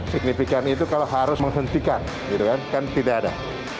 signifikan itu kalau harus menghentikan kan tidak ada